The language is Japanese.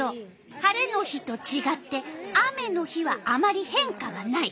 晴れの日とちがって雨の日はあまり変化がない。